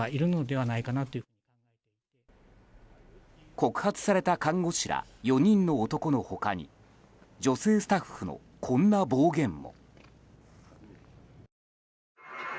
告発された看護師ら４人の男の他に女性スタッフのこんな暴言も。